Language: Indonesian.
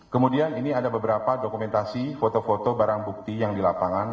kemudian ini ada beberapa dokumentasi foto foto barang bukti yang di lapangan